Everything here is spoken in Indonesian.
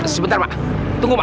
sebentar mak tunggu mak